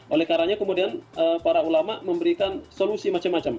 oleh karanya kemudian para ulama memberikan solusi macam macam